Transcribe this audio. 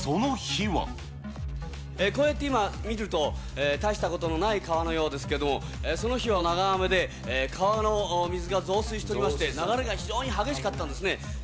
こうやって今見ると、大したことのない川のようですけれども、その日は長雨で、川の水が増水しておりまして、流れが非常に激しかったんですね。